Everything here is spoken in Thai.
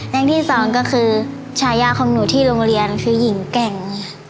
อย่างที่สองก็คือชายาของหนูที่โรงเรียนคือหญิงแก่ง